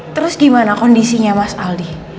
terus gimana kondisinya mas aldi